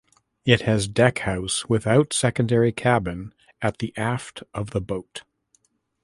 It has deckhouse without secondary cabin at the aft of the boat.